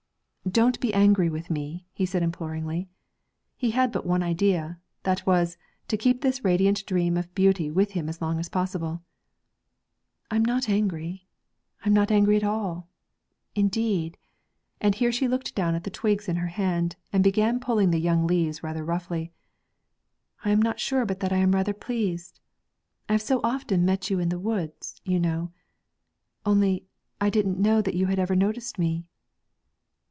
'Do not be angry with me,' he said imploringly. He had but one idea, that was, to keep this radiant dream of beauty with him as long as possible. 'I'm not angry; I am not angry at all indeed' and here she looked down at the twigs in her hand and began pulling the young leaves rather roughly 'I am not sure but that I am rather pleased. I have so often met you in the woods, you know; only I didn't know that you had ever noticed me.'